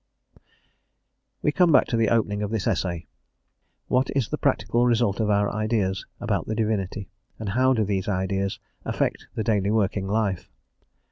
We come back to the opening of this essay: what is the practical result of our ideas about the Divinity, and how do these ideas affect the daily working life?